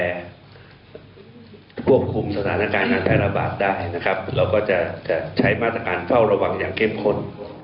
เราก็จะใช้มาตรการเฝ้าระวังอย่างเข้มขน